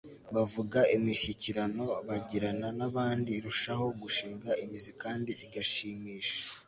bavuga, imishyikirano bagirana n'abandi irushaho gushinga imizi kandi igashimisha